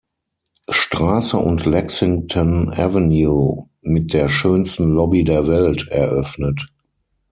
Straße und Lexington Avenue mit der "schönsten Lobby der Welt" eröffnet.